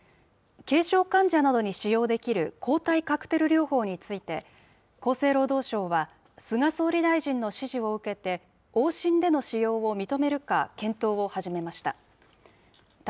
軽症患者などに使用できる抗体カクテル療法について、厚生労働省は、菅総理大臣の指示を受けて、往診での使用を認めるか、検討を始めました。